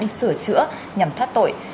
đi sửa chữa nhằm thoát tội